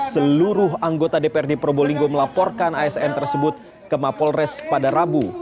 seluruh anggota dprd probolinggo melaporkan asn tersebut ke mapolres pada rabu